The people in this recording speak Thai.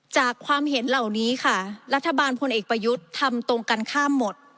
ความเห็นเหล่านี้ค่ะรัฐบาลพลเอกประยุทธ์ทำตรงกันข้ามหมด